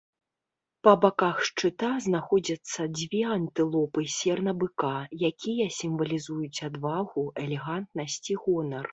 Па баках шчыта знаходзяцца дзве антылопы сернабыка, якія сімвалізуюць адвагу, элегантнасць і гонар.